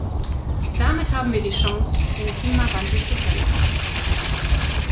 Damit haben wir die Chance, den Klimawandel zu bremsen.